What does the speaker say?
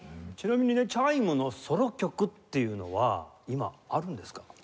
ちなみにねチャイムのソロ曲っていうのは今あるんですか？